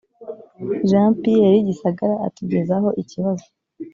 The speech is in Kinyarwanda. jean pierre gisagara atugezaho ikibazo